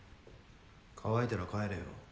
乾いたら帰れよ。